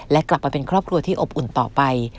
และกลับมาเป็นครอบครัวที่อบอุ่นต่อไป